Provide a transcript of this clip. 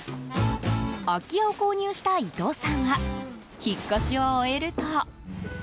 空き家を購入した伊藤さんは引っ越しを終えると。